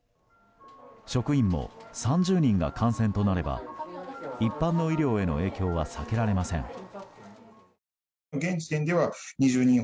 職員も３０人が感染となれば一般の医療への影響は避けられません。